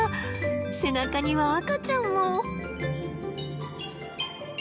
背中には赤ちゃんも。